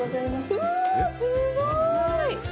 うわあ、すごい！